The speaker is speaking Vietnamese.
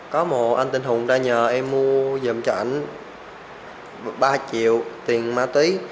có một anh tên hùng đã nhờ em mua dùm cho anh ba triệu tiền ma túy